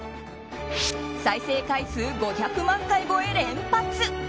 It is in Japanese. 再生回数５００万回超え連発！